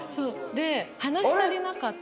で話し足りなかった。